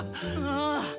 ああ！